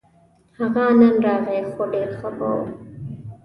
هغه نن راغی خو ډېر خپه و